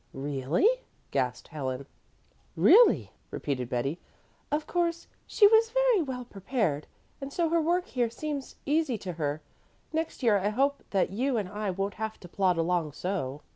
"Really?" gasped Helen. "Really," repeated Betty. "Of course she was very well prepared, and so her work here seems easy to her. Next year I hope that you and I won't have to plod along so."